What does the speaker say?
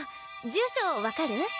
住所分かる？